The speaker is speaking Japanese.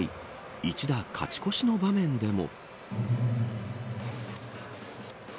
一打勝ち越しの場面でも。